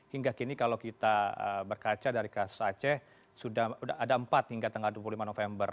hingga kini kalau kita berkaca dari kasus aceh sudah ada empat hingga tanggal dua puluh lima november